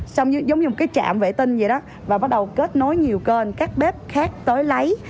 xong giống như một cái trạm vệ tinh gì đó và bắt đầu kết nối nhiều kênh các bếp khác tới lấy